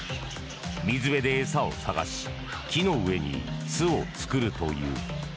水辺で餌を探し木の上に巣を作るという。